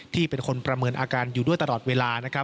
ที่เป็นคนประเมินอาการอยู่ด้วยตลอดเวลานะครับ